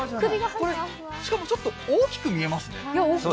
しかもちょっと大きく見えますね。